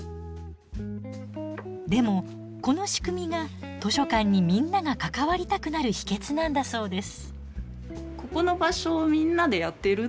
でもこの仕組みが図書館にみんなが関わりたくなる秘けつなんだそうです。